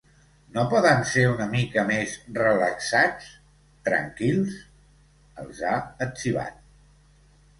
No poden ser una mica més relaxats, tranquils…?, els ha etzibat.